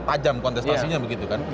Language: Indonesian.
tajam kontestasinya begitu kan